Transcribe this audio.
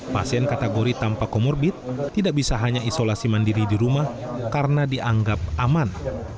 pasien kategori tanpa komorbit tidak bisa hanya isolasi mandiri di rumah karena dianggap aman